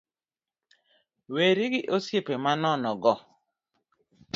Weri gi osiepe manono go